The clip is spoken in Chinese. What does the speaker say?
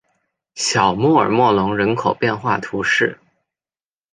小穆尔默隆人口变化图示